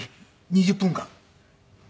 ２０分間！？